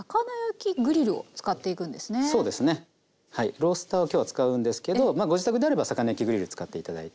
ロースターを今日は使うんですけどまあご自宅であれば魚焼きグリル使って頂いて。